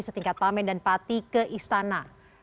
setingkat pamen dan pati ke istana